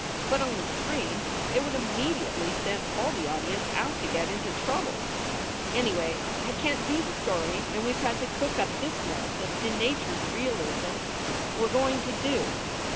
But on the screen it would immediately send all the audience out to get into trouble. Anyway, I can t do the story and we ve had to cook up this mess of denaturated realism we re going to do.